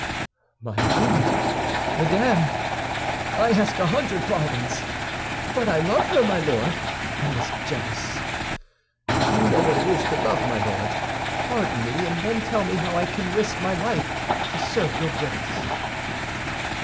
"My Lord, Madame, I ask a hundred pardons! But I love her, my Lord, and was jealous. You know what it is to love, my Lord. Pardon me, and then tell me how I can risk my life to serve your Grace?"